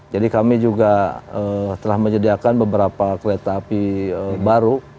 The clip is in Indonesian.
jadi kami juga telah menyediakan beberapa kereta api baru